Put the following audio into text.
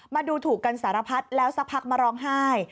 มาดูถูกกันสารพัดแล้วสักพักมาร้องไห้